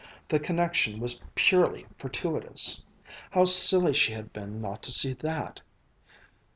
The connection was purely fortuitous. How silly she had been not to see that.